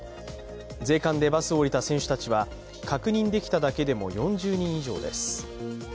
税関でバスを降りた選手たちは確認できただけでも４０人以上です。